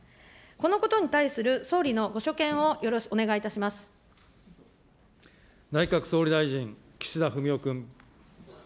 このことに対する総理のご所見を内閣総理大臣、岸田文雄君。